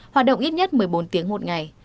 hoạt động ít nhất một mươi bốn tiếng một ngày